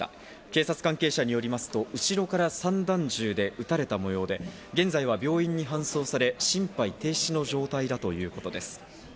警察関係者によりますと、後ろから散弾銃で撃たれた模様で、現在は病院に搬送され、心肺停止の状態だということです。